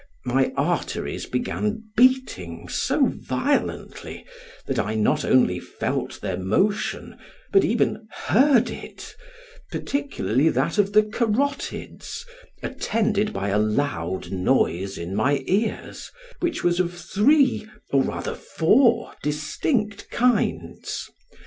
My arteries began beating so violently that I not only felt their motion, but even heard it, particularly that of the carotids, attended by a loud noise in my ears, which was of three, or rather four, distinct kinds.